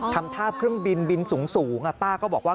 ทำท่าเครื่องบินบินสูงป้าก็บอกว่า